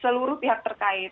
seluruh pihak terkait